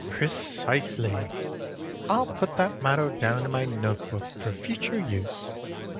"Precisely. I'll put that motto down in my note book for future use."